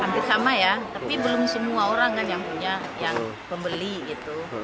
hampir sama ya tapi belum semua orang kan yang punya yang pembeli gitu